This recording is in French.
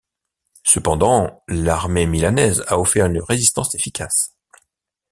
Cependant, l'armée milanaise a offert une résistance efficace.